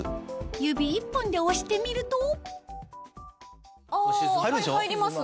指１本で押してみるとあ入りますね。